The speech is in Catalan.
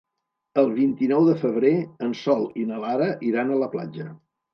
El vint-i-nou de febrer en Sol i na Lara iran a la platja.